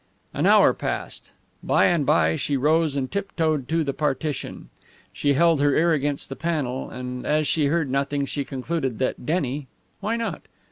An hour passed. By and by she rose and tiptoed to the partition. She held her ear against the panel, and as she heard nothing she concluded that Denny why not?